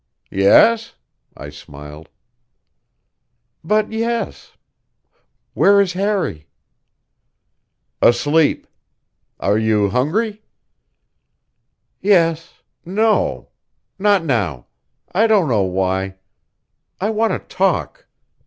"Yes?" I smiled. "But, yes. Where is Harry?" "Asleep. Are you hungry?" "Yes no. Not now. I don't know why. I want to talk.